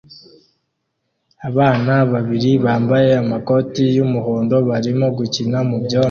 Abana babiri bambaye amakoti yumuhondo barimo gukina mubyondo